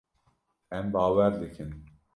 Em bawer dikin.